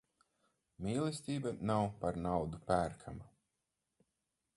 Mīlestība nav par naudu pērkama.